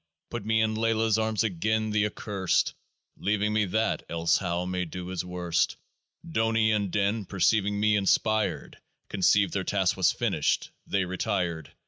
" Put me in LAYLAH'S arms again : the Accurst, Leaving me that, elsehow may do his worst." DONI and DIN, perceiving me inspired, Conceived their task was finished : they retired.